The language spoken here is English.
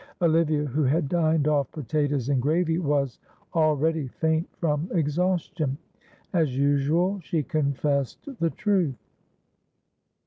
Olivia, who had dined off potatoes and gravy, was already faint from exhaustion. As usual, she confessed the truth.